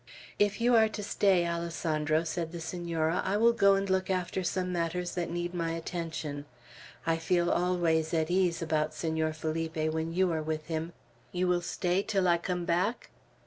"If you are to stay, Alessandro," said the Senora, "I will go and look after some matters that need my attention. I feel always at ease about Senor Felipe when you are with him. You will stay till I come back?"